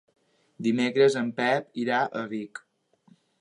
Dimecres en Pep irà a Vic.